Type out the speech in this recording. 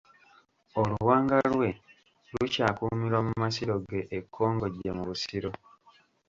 Oluwanga lwe lukyakuumirwa mu masiro ge e Kkongojje mu Busiro.